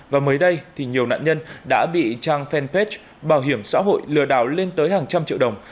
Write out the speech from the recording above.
và mới đây thì nhiều nạn nhân đã bị trang fanpage bảo hiểm xã hội lừa đảo lên tới hàng trăm triệu đồng